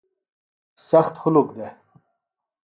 سخت ہُلک دےۡ۔